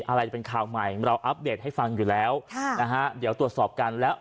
อะไรจะเป็นข่าวใหม่เราอัปเดตให้ฟังอยู่แล้วค่ะนะฮะเดี๋ยวตรวจสอบกันแล้ว